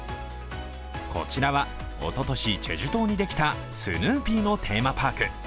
こちらは、おととしチェジュ島にできたスヌーピーのテーマパーク。